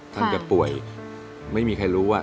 ท่านจะป่วยไม่มีใครรู้ว่า